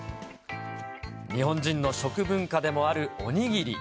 日本人の食文化でもあるお握り。